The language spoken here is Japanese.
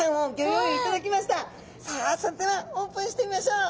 それではオープンしてみましょう！